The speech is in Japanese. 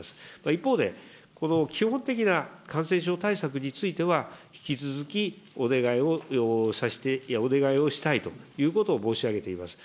一方で、基本的な感染症対策については、引き続きお願いをしたいということを申し上げています。